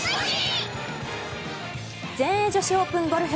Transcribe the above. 全英女子オープンゴルフ。